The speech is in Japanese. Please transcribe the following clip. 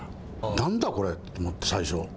何だこれと思って、最初。